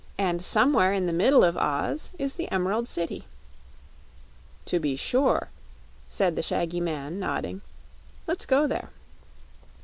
And somewhere in the middle of Oz is the Emerald City." "To be sure," said the shaggy man, nodding. "Let's go there."